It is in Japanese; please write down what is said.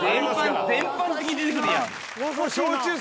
全般的に出てくるやん。